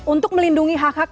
untuk melindungi hak hak